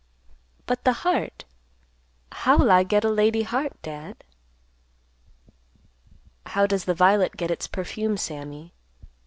"But the heart, how'll I get a lady heart, Dad?" "How does the violet get its perfume, Sammy?